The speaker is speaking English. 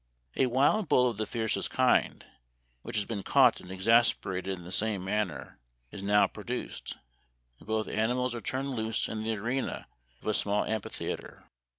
" A wild bull of the fiercest kind, which has been caught and exasperated in the same man ner, is now produced, and both animals are turned loose in the arena of a small amphithea ter.